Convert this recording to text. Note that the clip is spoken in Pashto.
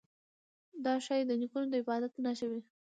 دا ښايي د نیکونو د عبادت نښه وي.